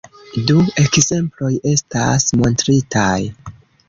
Du ekzemploj estas montritaj.